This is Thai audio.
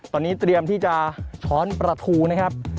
ตอนนี้เตรียมที่จะช้อนประทูนะครับ